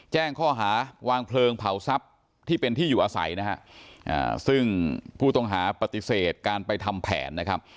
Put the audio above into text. แจ้งข้อหาวางเพลิงเผาทรัพย์ที่เป็นที่อยู่อาศัยนะฮะซึ่งผู้ต้องหาปฏิเสธการไปทำแผนนะครับ